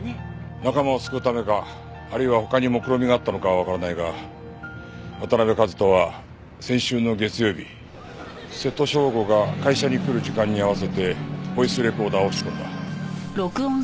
仲間を救うためかあるいは他に目論見があったのかはわからないが渡辺和登は先週の月曜日瀬戸将吾が会社に来る時間に合わせてボイスレコーダーを仕込んだ。